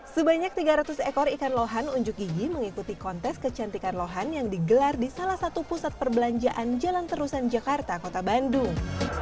sebanyak tiga ratus ekor ikan lohan unjuk gigi mengikuti kontes kecantikan lohan yang digelar di salah satu pusat perbelanjaan jalan terusan jakarta kota bandung